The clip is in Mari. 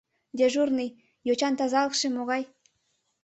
Дежурный? йочан тазалыкше могай?